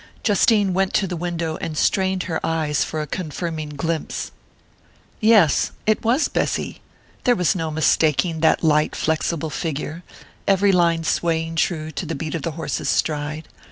Justine went to the window and strained her eyes for a confirming glimpse. Yes it was Bessy! There was no mistaking that light flexible figure, every line swaying true to the beat of the horse's stride.